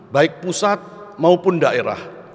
baik pusat maupun daerah